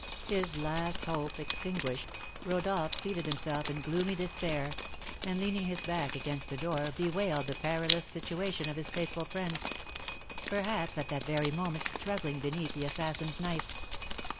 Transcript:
His last hope extinguished, Rodolph seated himself in gloomy despair, and, leaning his back against the door, bewailed the perilous situation of his faithful friend, perhaps at that very moment struggling beneath the assassin's knife.